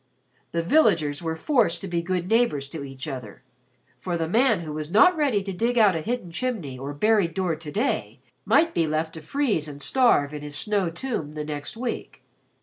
The villages were forced to be good neighbors to each other, for the man who was not ready to dig out a hidden chimney or buried door to day might be left to freeze and starve in his snow tomb next week.